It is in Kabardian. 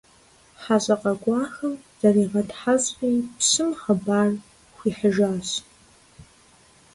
ХьэщӀэ къэкӀуахэм заригъэтхьэщӀри пщым хъыбар хуихьыжащ.